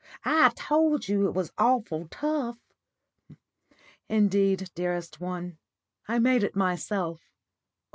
I told you it was awful tough." "Indeed, dearest one, I made it myself."